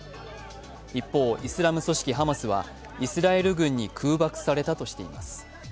一方、イスラム組織ハマスはイスラエル軍に空爆されたとしています。